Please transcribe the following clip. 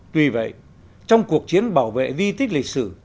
tuy vậy trong cuộc chiến bảo vệ di tích lịch sử